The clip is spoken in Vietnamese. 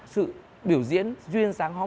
sự biểu diễn duyên dáng hóng